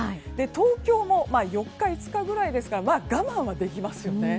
東京も４日、５日ぐらいですから我慢はできますよね。